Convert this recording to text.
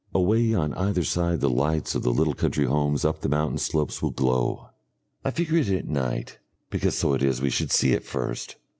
Away on either side the lights of the little country homes up the mountain slopes will glow. I figure it at night, because so it is we should see it first.